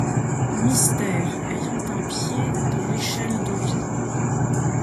Mystère ; ayant un pied, dans l’échelle de vie